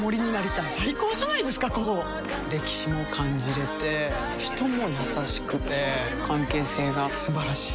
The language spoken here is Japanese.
歴史も感じれて人も優しくて関係性が素晴らしい。